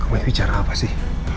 kamu mau bicara apa sih